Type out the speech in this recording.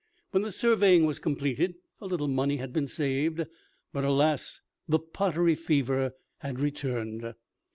When the surveying was completed, a little money had been saved, but, alas! the pottery fever had returned.